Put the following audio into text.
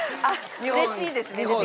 あっ嬉しいですね